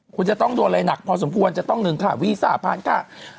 คุณจะต้องโดนอะไรหนักพอสมควรจะต้องหนึ่งค่ะวีสาพันธุ์ค่ะ